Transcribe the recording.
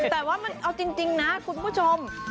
แต่ว่ามันเอาจริงนะคุณผู้ชม